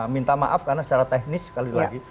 minta maaf karena secara teknis sekali lagi